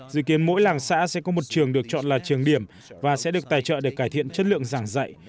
dự kiến mỗi làng xã sẽ có một trường được chọn là trường điểm và sẽ được tài trợ để cải thiện chất lượng giảng dạy